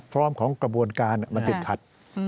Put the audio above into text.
พร้อมของกระบวนการมันติดขัด